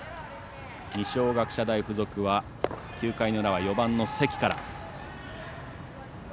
二松学舎大付属は９回の裏は４番の関から。